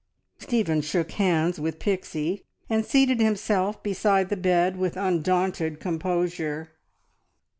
Stephen shook hands with Pixie and seated himself beside the bed with undaunted composure.